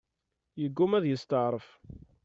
Yegguma ad yesteɛref.